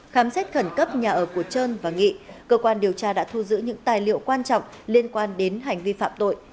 khám xét khẩn cấp nhà ở của trơn và nghị cơ quan điều tra đã thu giữ những tài liệu quan trọng liên quan đến hành vi phạm tội